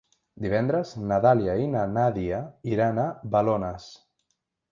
Divendres na Dàlia i na Nàdia iran a Balones.